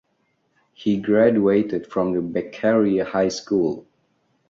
He graduated from the Beccaria high school.